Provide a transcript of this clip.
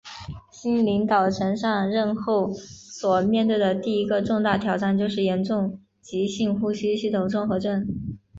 新领导层上任后所面对的第一个重大挑战就是严重急性呼吸系统综合症。